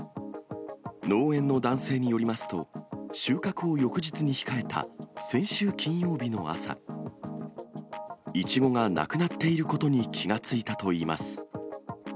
農園の男性によりますと、収穫を翌日に控えた先週金曜日の朝、イチゴがなくなっていることに気が付いたといいます。